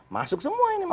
masuk semua ini mas ahi